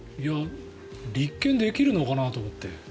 立件できるのかなと思って。